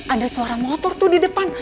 ada suara motor tuh di depan